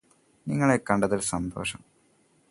നിങ്ങളെ കണ്ടതില് സന്തോഷം